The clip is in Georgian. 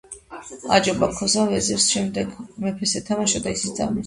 აჯობა ქოსამ ვეზირს, შემდეგ მეფეს ეთამაშა და ისიც დაამარცხა.